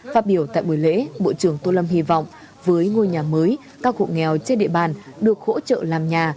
phát biểu tại buổi lễ bộ trưởng tô lâm hy vọng với ngôi nhà mới các hộ nghèo trên địa bàn được hỗ trợ làm nhà